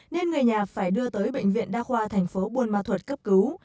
nên người nhà phải đưa tới bệnh viện đa khoa tp buôn ma thuật cấp cứu